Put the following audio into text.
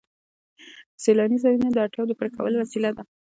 سیلاني ځایونه د اړتیاوو د پوره کولو وسیله ده.